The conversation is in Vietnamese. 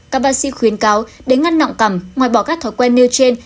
các bác sĩ khuyến cáo để ngăn nọng cằm ngoài bỏ các thói quen nêu trên